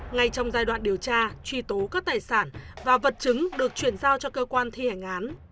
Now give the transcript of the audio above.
ngay trong giai đoạn điều tra truy tố các tài sản và vật chứng được chuyển giao cho cơ quan thi hành án